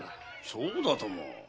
そうだとも！